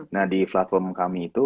nah di platform kami itu